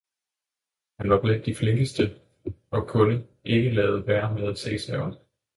Han var blandt de flinkeste og kunde ikke lade være at se sig om.